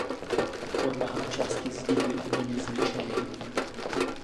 Podlaha a část zdi byly úplně zničeny.